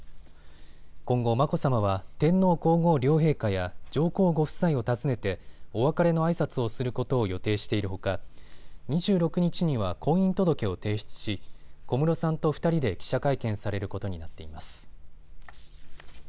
今後、眞子さまは天皇皇后両陛下や上皇ご夫妻を訪ねてお別れのあいさつをすることを予定しているほか２６日には婚姻届を提出し小室さんと２人で記者会見されることになっています。